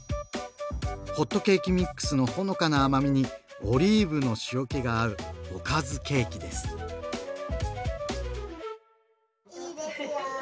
ホットケーキミックスのほのかな甘みにオリーブの塩けが合うおかずケーキです。